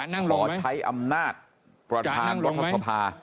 ขอใช้อำนาจประทานวัทธศพา